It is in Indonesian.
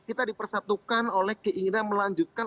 kita dipersatukan oleh keinginan melanjutkan